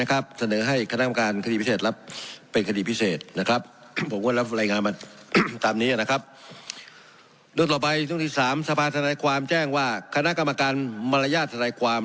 มาตรศึกษาแจ้งว่าคณะกรรมการมารยาทศัตรายความ